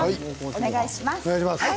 お願いします。